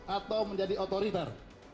atau menjadi otoriter